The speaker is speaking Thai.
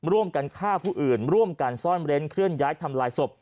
ร่วมกันฆ่าผู้อื่นร่วมกันซ่อนเร้นเคลื่อนย้ายทำลายศพ